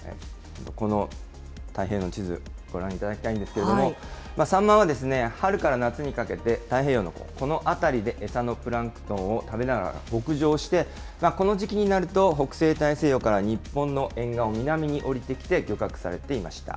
この太平洋の地図、ご覧いただきたいんですけれども、サンマは春から夏にかけて、太平洋のこの辺りで餌のプランクトンを食べながら、北上してこの時期になると、北西大西洋から日本の沿岸を南に下りてきて漁獲されていました。